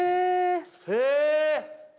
へえ！